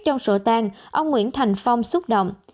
ông nguyễn thành phong xúc động